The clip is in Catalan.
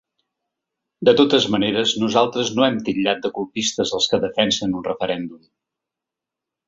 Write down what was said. De totes maneres nosaltres no hem titllat de colpistes els que defensen un referèndum.